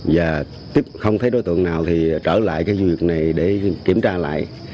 và không thấy đối tượng nào thì trở lại cái việc này để kiểm tra lại